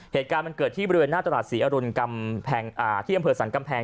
เหตุการณ์เกิดที่บริเวณหน้าตลาดศรีอรุณกำแพงอาที่กำเภอสรรค์กำแพง